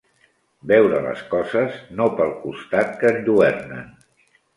Veure les coses, no pel costat que enlluernen